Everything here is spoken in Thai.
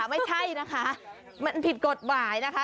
ไม่ใช่นะคะมันผิดกฎหมายนะคะ